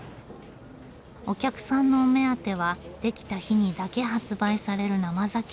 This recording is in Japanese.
お客さんのお目当てはできた日にだけ発売される生酒。